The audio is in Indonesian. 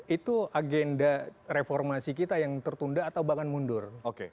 itu agenda reformasi kita yang tertunda atau bahkan mundur